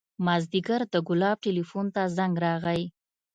مازديګر د ګلاب ټېلفون ته زنګ راغى.